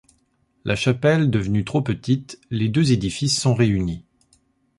La chapelle devenue trop petite, les deux édifices sont réunis.